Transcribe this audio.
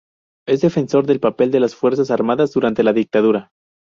Es defensor del papel de las Fuerzas Armadas durante la dictadura.